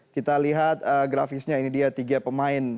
kita lihat grafisnya ini dia tiga pemain